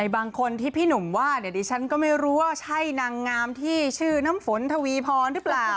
บางคนที่พี่หนุ่มว่าดิฉันก็ไม่รู้ว่าใช่นางงามที่ชื่อน้ำฝนทวีพรหรือเปล่า